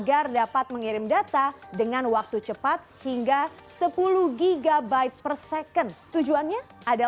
apa yang terjadi